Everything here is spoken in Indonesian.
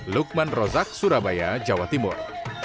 lukman rozak surabaya jawa timur